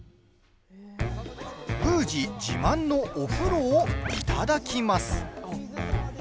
宮司自慢のお風呂をいただきます。